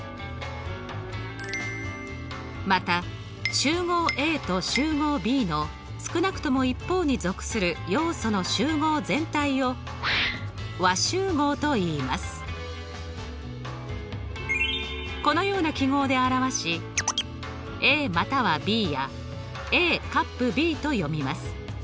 また集合Ａと集合Ｂの少なくとも一方に属する要素の集合全体をこのような記号で表し「ＡまたはＢ」や「ＡカップＢ」と読みます。